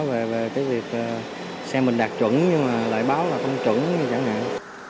về cái việc xe mình đạt chuẩn nhưng mà lại báo là không chuẩn như chẳng hạn